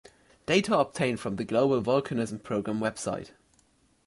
Data obtained from the Global Volcanism Program website.